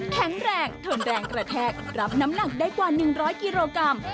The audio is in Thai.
แข็งแรงทนแรงกระแทกรับน้ำหนักได้กว่า๑๐๐กิโลกรัม